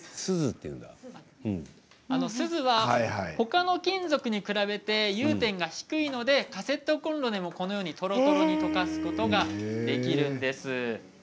すずはほかの金属に比べて融点が低いのでカセットコンロでもとろとろに溶かすことができるんです。